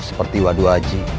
seperti wadu haji